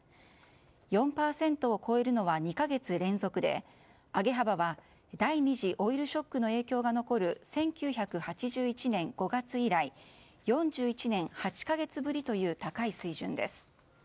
４％を超えるのは２か月連続で上げ幅は第２次オイルショックの影響が残る１９８１年５月以来４１年８か月ぶりという高い水準です。